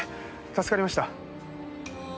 助かりました。